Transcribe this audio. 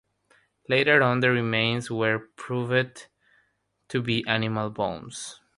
Later on the remains were proven to be animal bones.